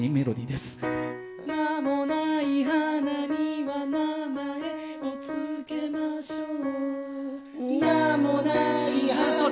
「名もない花には名前を付けましょう」。